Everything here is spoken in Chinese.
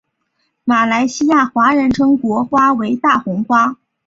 马来西亚华人称国花为大红花。